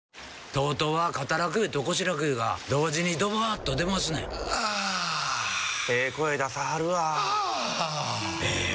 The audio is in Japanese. ＴＯＴＯは肩楽湯と腰楽湯が同時にドバーッと出ますねんあええ声出さはるわあええ